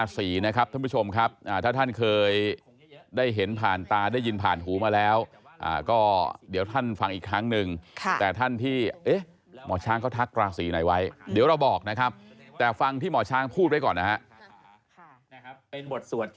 ท่านผู้ชมครับถ้าท่านเคยได้เห็นผ่านตาได้ยินผ่านหูมาแล้วก็เดี๋ยวท่านฟังอีกครั้งหนึ่งแต่ท่านที่เอ๊ะหมอช้างเขาทักราศีไหนไว้เดี๋ยวเราบอกนะครับแต่ฟังที่หมอช้างพูดไว้ก่อนนะครับ